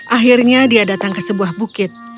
akhirnya dia datang ke sebuah bukit